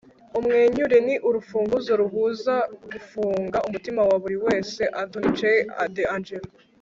umwenyure, ni urufunguzo ruhuza gufunga umutima wa buri wese. '- anthony j. d'angelo